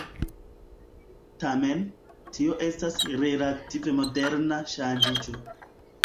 Tamen, tio estas relative moderna ŝanĝiĝo.